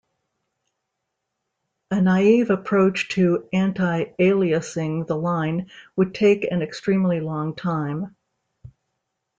A naive approach to anti-aliasing the line would take an extremely long time.